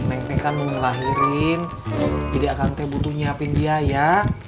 aku kan mau ngelahirin jadi aku butuh nyiapin dia ya